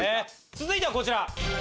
続いてはこちら。